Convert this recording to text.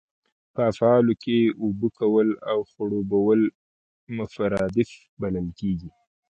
په افعالو کښي اوبه کول او خړوبول مترادف بلل کیږي.